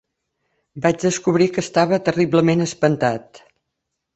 Vaig descobrir que estava terriblement espantat